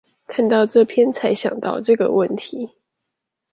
看到這篇才想到這個問題